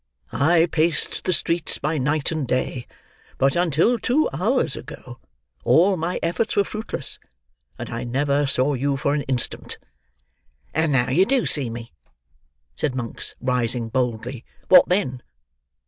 I paced the streets by night and day, but until two hours ago, all my efforts were fruitless, and I never saw you for an instant." "And now you do see me," said Monks, rising boldly, "what then?